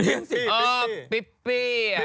เลี้ยงสิปิปปี้อ่อปิปปี้อ่ะ